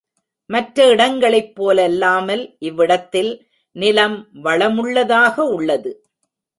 மற்ற இடங்களைப் போலல்லாமல் இவ்விடத்தில் நிலம் வளமுள்ளதாக உள்ளது.